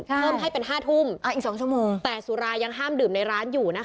เพิ่มให้เป็น๕ทุ่มอีก๒ชั่วโมงแต่สุรายังห้ามดื่มในร้านอยู่นะคะ